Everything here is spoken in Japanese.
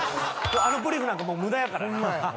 「あのブリーフなんかもう無駄やからな」